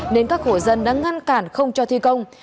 nên các hộ dân đã ngăn cản không cho thi công